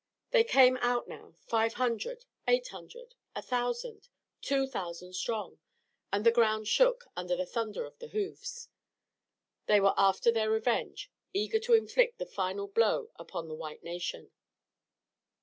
They came out now, five hundred, eight hundred, a thousand, two thousand strong, and the ground shook under the thunder of the hoofs. They were after their revenge, eager to inflict the final blow upon the white nation.